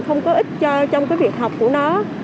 không có ích trong cái việc học của nó